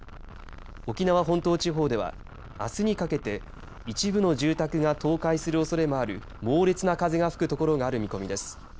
沖縄本島地方ではあすにかけて一部の住宅が倒壊するおそれもある猛烈な風が吹くところがある見込みです。